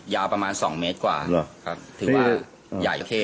ยาวประมาณสองเมตรกว่าหรอครับถือว่าใหญ่เทขเลย